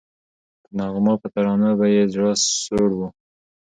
په نغمو په ترانو به یې زړه سوړ وو